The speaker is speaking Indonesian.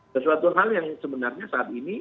sesuatu hal yang sebenarnya saat ini